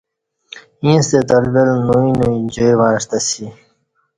ییں ستہ اہ تلول نوئ نوئ جائ وعݩستہ اسی